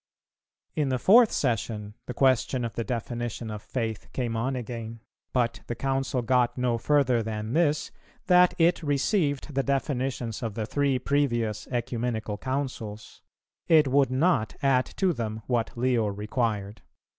In the fourth Session the question of the definition of faith came on again, but the Council got no further than this, that it received the definitions of the three previous Ecumenical Councils; it would not add to them what Leo required.